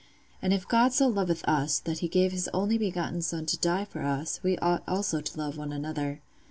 And if God so loveth us, that He gave His only begotten Son to die for us, we ought also to love one another.